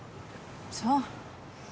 そう。